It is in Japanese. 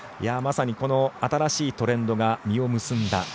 まさに、この新しいトレンドが実を結んだ。